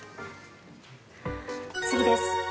次です。